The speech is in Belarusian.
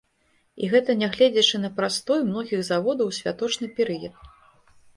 І гэта нягледзячы на прастой многіх заводаў у святочны перыяд.